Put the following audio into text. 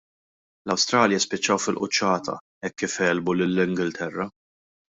l-Awstralja spiċċaw fil-quċċata hekk kif għelbu lill-Ingilterra.